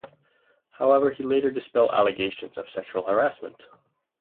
However he later dispel allegations of sexual harassment.